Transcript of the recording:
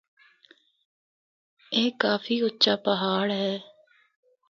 اے کافی اُچّا پہاڑ ہے۔